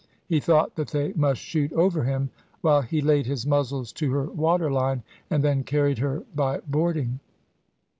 He thought that they must shoot over him, while he laid his muzzles to her water line, and then carried her by boarding.